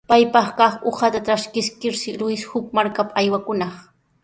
Paypaq kaq uqata traskiskirshi Luis huk markapa aywakunaq.